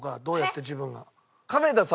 どうやって自分が。へっ？